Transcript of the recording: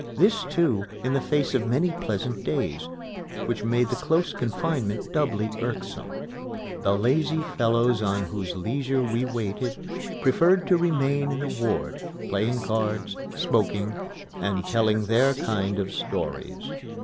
This, too, in the face of many pleasant days, which made the close confinement doubly irksome. The lazy fellows on whose leisure we waited preferred to remain in the ward, playing cards, smoking, and telling their kind of stories.